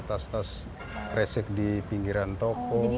tas tas kresek di pinggiran toko